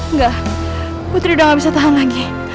enggak putri udah gak bisa tahan lagi